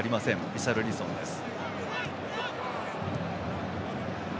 リシャルリソンです。